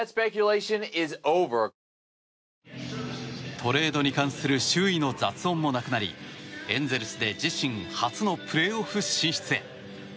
トレードに関する周囲の雑音もなくなりエンゼルスで自身初のプレーオフ進出へ。